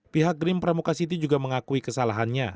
pihak green pramuka city juga mengakui kesalahannya